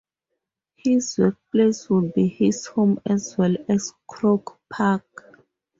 His workplace would be his home as well as Croke Park.